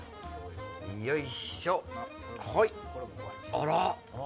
あら？